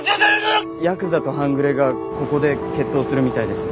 ヤクザと半グレがここで決闘するみたいです。